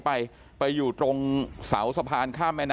พี่บูรำนี้ลงมาแล้ว